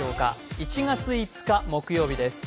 １月５日木曜日です。